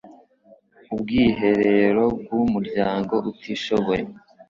ubwiherero bwu umuryango utishoboye